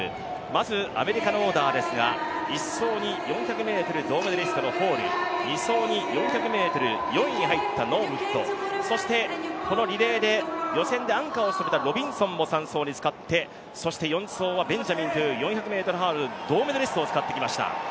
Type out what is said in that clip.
まず、アメリカのオーダーですが１走に４００ｍ銅メダリストのホール、２走に４００ｍ４位に入ったノーウッド、このリレーで予選でアンカーを務めたロビンソンを４走に使って４走はベンジャミンという４００ｍハードル銅メダリストを使ってきました。